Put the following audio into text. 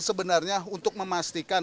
sebenarnya untuk memastikan